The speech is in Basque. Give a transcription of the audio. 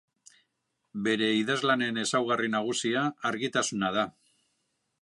Bere idazlanen ezaugarri nagusia argitasuna da.